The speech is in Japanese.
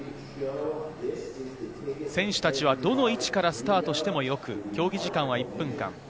選手たちはどの位置からスタートしてもよく、競技時間は１分間。